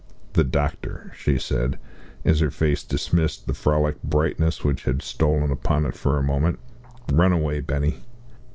"The doctor," she said, as her face dismissed the frolic brightness which had stolen upon it for a moment. "Run away, Benny."